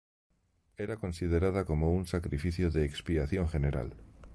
Era considerada como un sacrificio de expiación general.